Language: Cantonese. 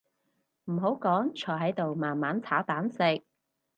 唔好講坐喺度慢慢炒蛋食